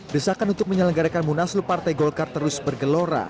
desakan untuk menyelenggarakan munaslup partai golkar terus bergelora